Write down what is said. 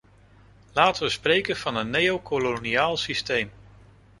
Laten we spreken van een neokoloniaal systeem.